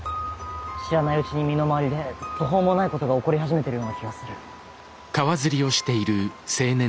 知らないうちに身の回りで途方もないことが起こり始めてるような気がする。